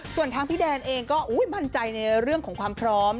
ส่วนทางพี่แดนเองก็มั่นใจในเรื่องของความพร้อม